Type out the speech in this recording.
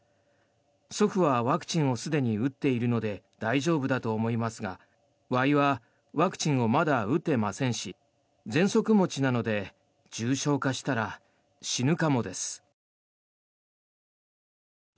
祖父はワクチンをすでに打っているので大丈夫だと思いますがワイはワクチンをまだ打ってませんしぜんそく持ちなので重症化したら死ぬかもです。